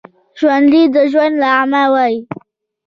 ژوندي د ژوند نغمه وايي